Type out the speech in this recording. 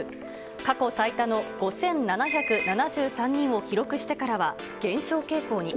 過去最多の５７７３人を記録してからは減少傾向に。